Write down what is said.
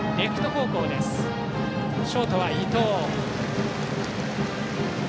ショートは伊藤。